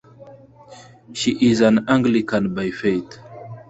She is an Anglican by faith.